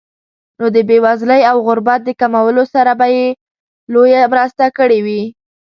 نو د بېوزلۍ او غربت د کمولو سره به یې لویه مرسته کړې وي.